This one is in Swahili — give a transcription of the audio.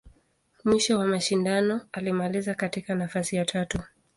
Mwisho wa mashindano, alimaliza katika nafasi ya tatu.